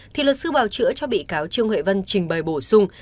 thì luật sư bào chữa cho bị cáo trương huệ vân trình bày bổ sung